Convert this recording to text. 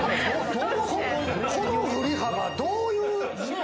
この振り幅、どういう？